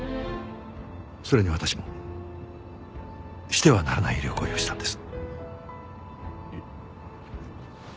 それに私もしてはならない医療行為をしたんです。